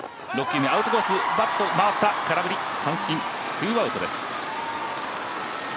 空振り三振、ツーアウトです。